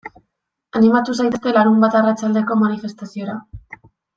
Animatu zaitezte larunbat arratsaldeko manifestaziora.